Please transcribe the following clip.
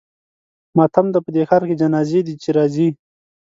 ماتم دی په دې ښار کې جنازې دي چې راځي.